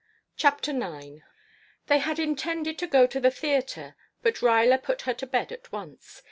CHAPTER IX They had intended to go to the theater but Ruyler put her to bed at once.